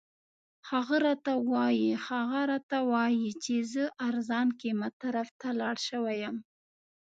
هغه راته وایي چې زه ارزان قیمت طرف ته لاړ شوی یم.